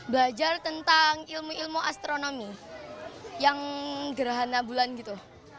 belajar tentang ilmu ilmu astronomi yang gerhana bulan gitu